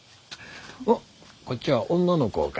おっこっちは女の子か。